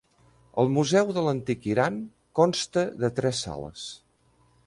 El Museu de l'Antic Iran consta de tres sales.